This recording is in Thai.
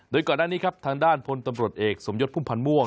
โดยก่อนหน้านี้ครับทางด้านพลตำรวจเอกสมยศพุ่มพันธ์ม่วง